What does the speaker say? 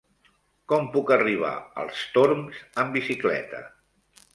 Com puc arribar als Torms amb bicicleta?